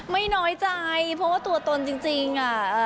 ไม่น้อยใจเพราะว่าตัวตนจริง